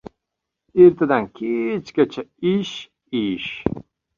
Ertadan-kechgacha ish, ish!